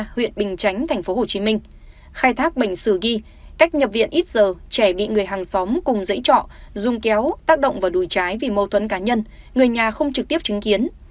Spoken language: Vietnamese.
huyện bình chánh tp hcm khai thác bệnh sử ghi cách nhập viện ít giờ trẻ bị người hàng xóm cùng dãy trọ dùng kéo tác động và đuôi trái vì mâu thuẫn cá nhân người nhà không trực tiếp chứng kiến